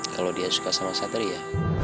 kalau dia suka sama satria